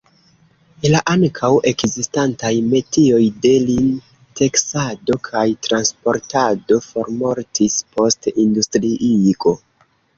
La ankaŭ ekzistantaj metioj de lin-teksado kaj transportado formortis post industriigo.